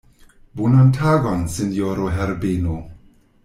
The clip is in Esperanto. Bonan tagon, sinjoro Herbeno.